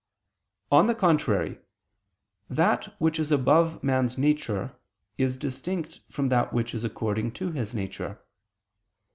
On the contrary, That which is above man's nature is distinct from that which is according to his nature.